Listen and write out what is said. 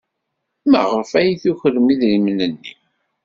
Maɣef ay tukrem idrimen-nni?